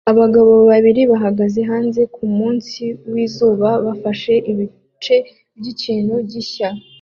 Abagabo babiri bahagaze hanze kumunsi wizuba bafashe ibice byikintu gishya